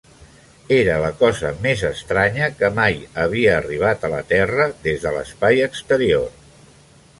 Era la cosa més estranya que mai havia arribat a la terra des de l'espai exterior.